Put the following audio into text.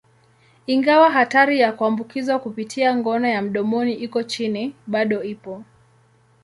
Ingawa hatari ya kuambukizwa kupitia ngono ya mdomoni iko chini, bado ipo.